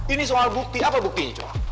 ini soal bukti apa buktinya cu